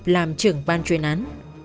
làm trưởng ban chuyên án